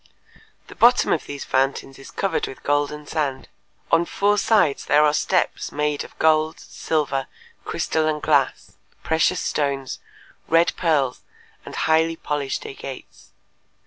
The bottom of these fountains is covered with golden sand. On four sides there are steps made of gold, silver, crystal and glass, precious stones, red pearls, and highly polished agates.